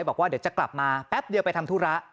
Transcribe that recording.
บอกว่าเดี๋ยวจะกลับมาแป๊บเดียวไปทำธุระ